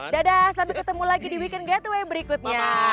dadah sampai ketemu lagi di weekend gateway berikutnya